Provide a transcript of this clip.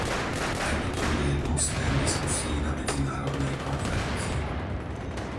Aj toto bude jednou z tém diskusií na Medzinárodnej konferencii.